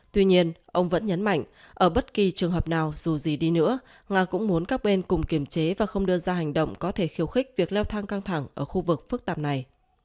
tuy nhiên ông vẫn nhấn mạnh ở bất kỳ trường hợp nào dù gì đi nữa nga cũng muốn các bên cùng kiềm chế và không đưa ra hành động có thể khiêu khích việc leo thang căng thẳng ở khu vực phức tạp này